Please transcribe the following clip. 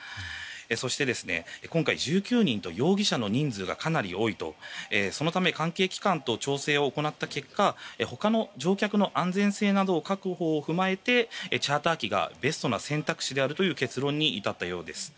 そして、今回１９人と容疑者の人数がかなり多いため関係機関と調整を行った結果他の乗客の安全性などの確保を踏まえてチャーター機がベストな選択肢であるという結論に至ったようです。